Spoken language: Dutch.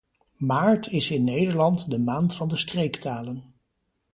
Maart is in Nederland de maand van de streektalen.